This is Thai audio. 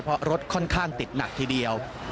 เพราะรถค่อนข้างติดหนักทีเดียว